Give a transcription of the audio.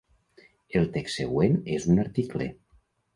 El text següent és un article.